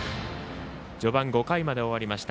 序盤、５回まで終わりました。